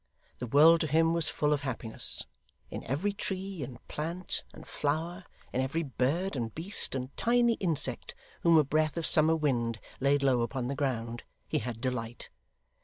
The world to him was full of happiness; in every tree, and plant, and flower, in every bird, and beast, and tiny insect whom a breath of summer wind laid low upon the ground, he had delight.